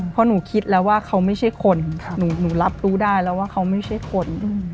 เพราะหนูคิดแล้วว่าเขาไม่ใช่คนหนูรับรู้ได้แล้วว่าเขาไม่ใช่คน